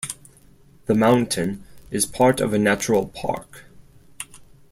The mountain is part of a natural park.